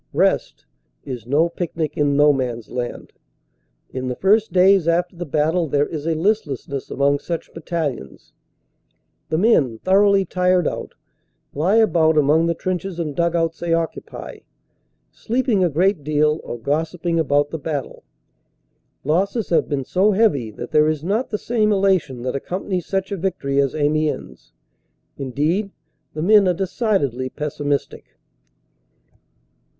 "Rest" is no picnic in No Man s Land. In the first days after the battle there is a listlessness among such battalions. The men, thoroughly tired out, lie about among the trenches and dug outs they occupy, sleeping a great deal or gossiping about the battle. Losses have been so heavy that there is not the same elation that accompanies such a victory as Amiens. Indeed, the men are decidedly pessimistic.